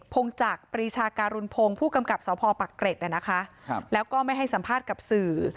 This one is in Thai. งจักรปรีชาการุณพงศ์ผู้กำกับสพปักเกร็ดนะคะแล้วก็ไม่ให้สัมภาษณ์กับสื่อ